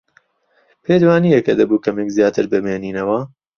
پێت وانییە کە دەبوو کەمێک زیاتر بمێنینەوە؟